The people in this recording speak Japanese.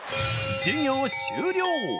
授業終了